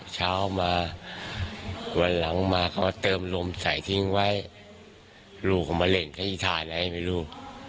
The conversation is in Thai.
เช้ามาวันหลังมาก็มาเติมลมใส่ทิ้งไว้รูกออกมาเหล่นที่อีธานไอนี่ไม่รู้